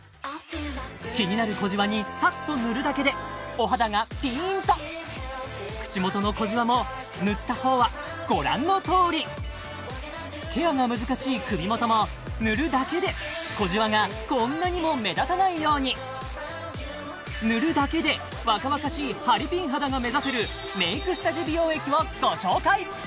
気になる小じわにサッと塗るだけでお肌がピーンと口元の小じわも塗った方はご覧のとおりケアが難しい首元も塗るだけで小じわがこんなにも目立たないように塗るだけで若々しいハリピン肌が目指せるをご紹介